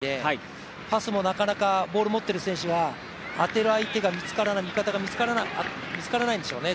日本の距離感にはなってないんで、パスもなかなかボール持っている選手が当てる相手味方が見つからないんでしょうね